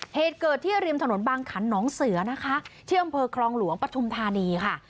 เหตุเกิดที่ริมถนนบางขันน้องเสือนะคะที่อำเภอคลองหลวงปฐุมธานีค่ะ